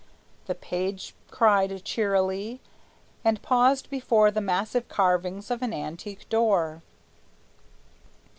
The page cried cheerily, and paused before The massive carvings of an antique door.